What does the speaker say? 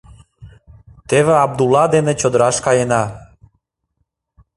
— Теве Абдулла дене чодыраш каена.